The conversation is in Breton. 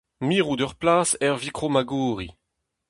Mirout ur plas er vikromagouri.